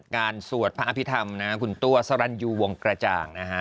สวดพระอภิษฐรรมนะคุณตัวสรรยูวงกระจ่างนะฮะ